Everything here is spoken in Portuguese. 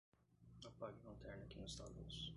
Apague a lanterna que nos dá luz.